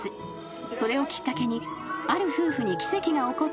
［それをきっかけにある夫婦に奇跡が起こったというエピソード］